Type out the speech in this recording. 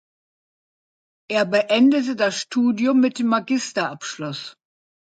Er beendete das Studium mit dem Magisterabschluss.